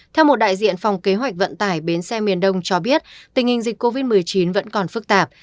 theo một đại diện phòng kế hoạch vận tải bến xe miền đông cho biết tình hình dịch covid một mươi chín vẫn còn phức tạp